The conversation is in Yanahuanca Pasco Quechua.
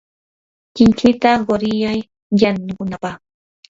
kinkita quriyay yanukunapaq.